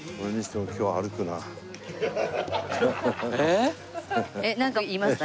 えっなんか言いました？